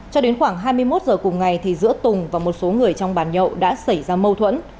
cho đến khoảng hai mươi một h cùng ngày giữa tùng và một số người trong bàn nhậu đã xảy ra mâu thuẫn